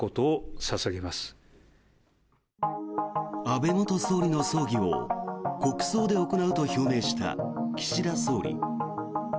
安倍元総理の葬儀を国葬で行うと表明した岸田総理。